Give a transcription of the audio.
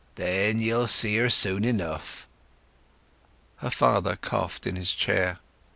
Then you'll see her soon enough." Her father coughed in his chair.